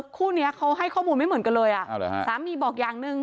คู่นี้เขาให้ข้อมูลไม่เหมือนกันเลยอ่ะฮะสามีบอกอย่างหนึ่ง